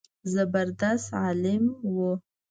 زبردست عالم و.